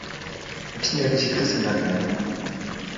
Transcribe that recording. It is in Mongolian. Энэ чинь харин шилдэг санаа байна.